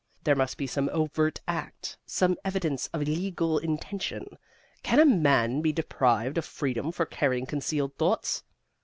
There must be some overt act, some evidence of illegal intention. Can a man be deprived of freedom for carrying concealed thoughts?